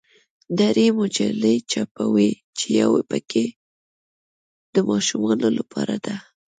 درې مجلې چاپوي چې یوه پکې د ماشومانو لپاره ده.